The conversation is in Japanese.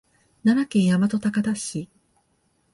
奈良県大和高田市